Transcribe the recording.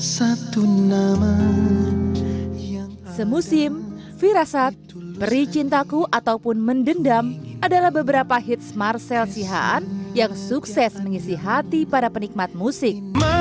semusim firasat peri cintaku ataupun mendendam adalah beberapa hits marcel sihaan yang sukses mengisi hati para penikmat musik